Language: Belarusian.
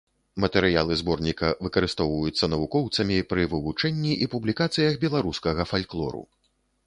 Матэрыялы зборніка выкарыстоўваюцца навукоўцамі пры вывучэнні і публікацыях беларускага фальклору.